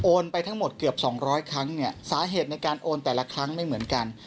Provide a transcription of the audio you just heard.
ไปทั้งหมดเกือบ๒๐๐ครั้งเนี่ยสาเหตุในการโอนแต่ละครั้งไม่เหมือนกัน